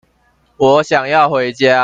我想要回家